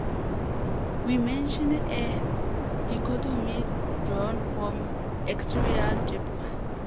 We mention a dichotomy drawn from exterior algebra.